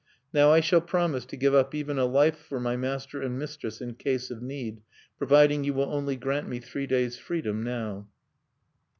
"Now I shall promise to give up even a life for my master and mistress in case of need, providing you will only grant me three days' freedom now."